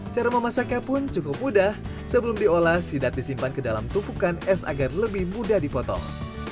cara memasaknya pun cukup mudah sebelum diolah sidat disimpan ke dalam tupukan es agar lebih mudah dipotong